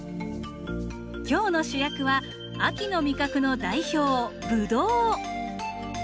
今日の主役は秋の味覚の代表ブドウ。